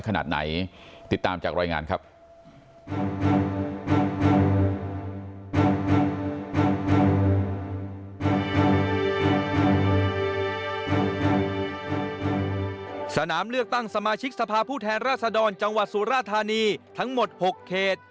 สนามเลือกตั้งสมาชิกสภาพผู้แทนราษฎรจังหวัดสุราชธานีทั้งหมด๖เขต